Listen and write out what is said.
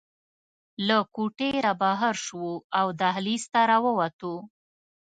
له کوټې رابهر شوو او دهلېز ته راووتو.